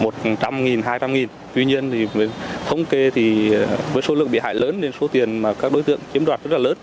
tuy nhiên thì thống kê thì với số lượng bị hại lớn nên số tiền mà các đối tượng chiếm đoạt rất là lớn